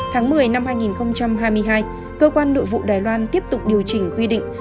tháng một mươi năm hai nghìn hai mươi hai cơ quan nội vụ đài loan tiếp tục điều chỉnh quy định